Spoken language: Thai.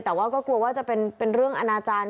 แต่ว่าก็กลัวว่าจะเป็นเรื่องอนาจารย์